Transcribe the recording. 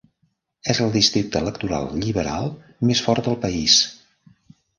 És el districte electoral lliberal més fort del país.